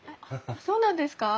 そうなんですか？